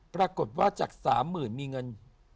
ปรากฏว่าจาก๓๐๐๐มีเงิน